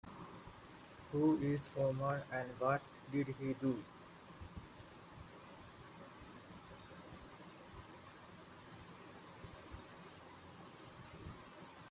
Who is Omar and what did he do?